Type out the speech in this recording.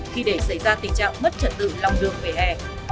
khi để xảy ra tình trạng mất trật tự lòng đường về hè